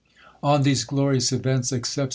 On these glorious events, accept.